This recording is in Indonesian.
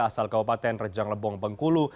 asal kabupaten rejang lebong bengkulu